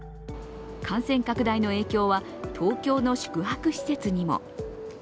感染拡大の影響は東京の宿泊施設にも。